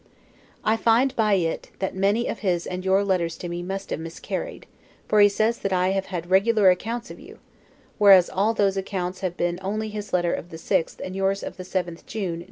I find by it that many of his and your letters to me must have miscarried; for he says that I have had regular accounts of you: whereas all those accounts have been only his letter of the 6th and yours of the 7th June, N.